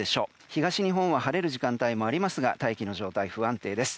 東日本は晴れる時間帯もありますが大気の状態が不安定です。